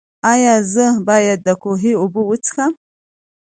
ایا زه باید د کوهي اوبه وڅښم؟